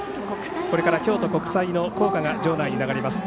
これから京都国際の校歌が場内に流れます。